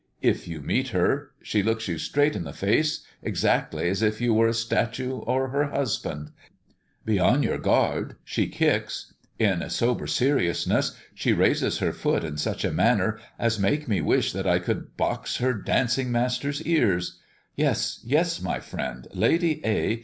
If you meet her, she looks you straight in the face, exactly as if you were a statue or her husband. Be on your guard, she kicks! In sober seriousness, she raises her foot in such a manner as makes me wish that I could box her dancing master's ears. Yes, yes, my friend, Lady A.